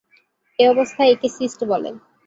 এ অবস্থায় একে সিস্ট বলে।